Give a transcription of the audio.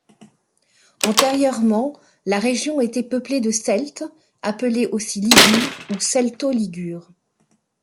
Antérieurement la région était peuplée de Celtes appelés aussi Ligures ou Celto-Ligures.